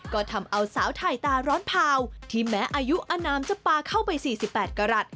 ก็ทำเอาสาวไทยตาร้อนพาวที่แม้อายุอนามจะปลาเข้าไป๔๘กรัฐ